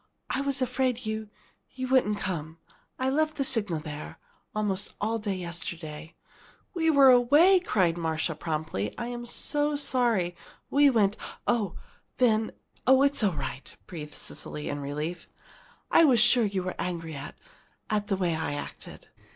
"I was afraid you you wouldn't come. I left the signal there almost all day yesterday " "We were away!" cried Marcia, promptly. "I'm so sorry. We went " "Oh, then oh, it's all right!" breathed Cecily, in relief. "I was sure you were angry at at the way I acted."